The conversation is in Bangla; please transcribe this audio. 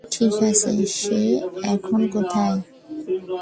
ঠিক আছে, সে এখন কোথায়?